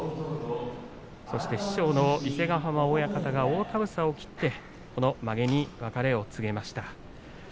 そして師匠の伊勢ヶ濱親方が大たぶさを切ってこのまげに別れを告げました。